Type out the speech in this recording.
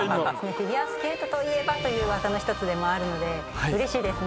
フィギュアスケートといえばという技の１つでもあるのでうれしいです